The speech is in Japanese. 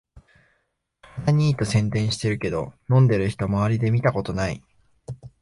体にいいと宣伝してるけど、飲んでる人まわりで見たことない